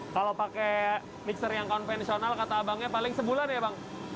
kalau pakai mixer yang konvensional kata abangnya paling sebulan ya bang